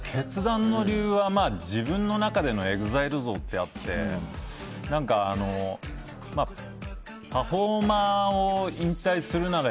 理由は、自分の中でのＥＸＩＬＥ像ってあってパフォーマーを引退するなら